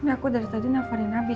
aku dari tadi nelfonin nabi